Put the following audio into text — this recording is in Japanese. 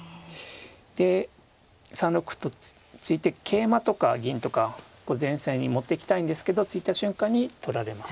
で３六歩と突いて桂馬とか銀とか前線に持っていきたいんですけど突いた瞬間に取られます。